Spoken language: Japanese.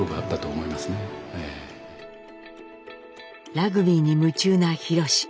ラグビーに夢中なひろし。